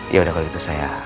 yaudah kalau gitu saya